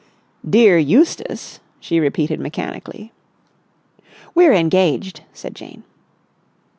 "'Dear Eustace!'" she repeated mechanically. "We're engaged," said Jane.